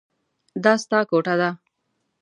دا ستا کوټه ده.